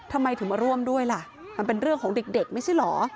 ทำไมถึงมาร่วมด้วยล่ะมันเป็นเรื่องของเด็กไม่ใช่เหรอ